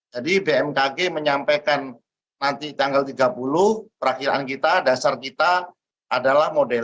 jadi bmkg menyampaikan nanti tanggal tiga puluh perakhiraan kita dasar kita adalah modeling